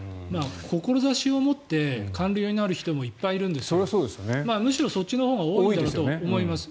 志を持って官僚になる人もいっぱいいるのでむしろそっちのほうが多いと思います。